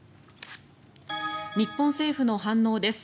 日本政府の反応です。